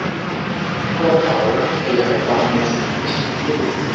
พวกเขาขยายความในสิ่งที่ฉันพูด